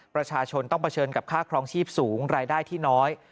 ประชาชนต้องเผชิญกับค่าครองชีพสูงรายได้ที่น้อย